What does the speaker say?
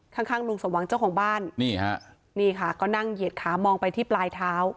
ข้างข้างลุงสมหวังเจ้าของบ้านนี่ฮะนี่ค่ะก็นั่งเหยียดขามองไปที่ปลายเท้า